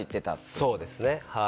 そうですねはい。